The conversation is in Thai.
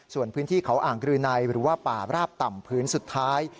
ส่วนพื้นที่เขาอ่างรืนัยหรือว่าป่าราบต่ำพื้นสุดท้าย